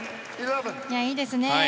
いいですね。